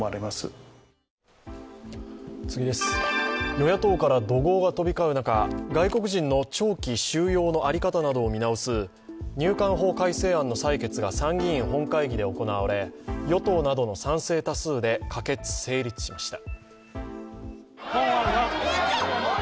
与野党から怒号が飛び交う中、外国人の長期収容の在り方などを見直す入管法改正案の採決が参議院本会議で行われ与党などの賛成多数で可決・成立しました。